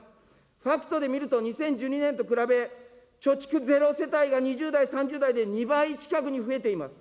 ファクトで見ると２０１２年と比べ、貯蓄ゼロ世帯が２０代、３０代で２倍近くに増えています。